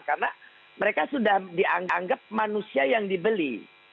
karena mereka sudah dianggap manusia yang dibeli